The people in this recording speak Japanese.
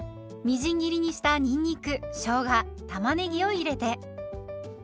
みじん切りにしたにんにくしょうがたまねぎを入れて。